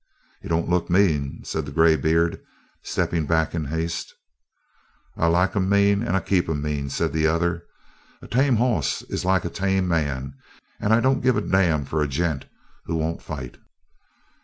"He don't look mean," said the greybeard, stepping back in haste. "I like 'em mean and I keep 'em mean," said the other. "A tame hoss is like a tame man and I don't give a damn for a gent who won't fight."